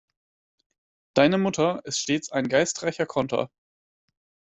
Deine Mutter ist stets ein geistreicher Konter.